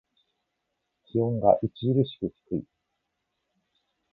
気温が著しく低い。